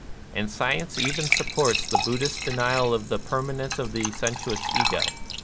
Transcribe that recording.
And science even sup ports the Buddhist denial of the permanence of the sensuous Ego.